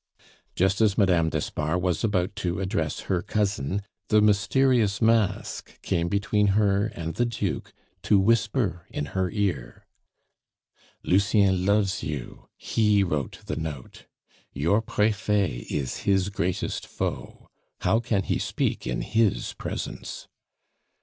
Just as Madame d'Espard was about to address her cousin, the mysterious mask came between her and the Duke to whisper in her ear: "Lucien loves you; he wrote the note. Your Prefet is his greatest foe; how can he speak in his presence?"